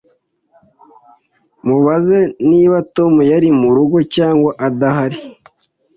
Mubaze niba Tom ari murugo cyangwa adahari